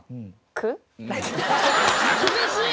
厳しい！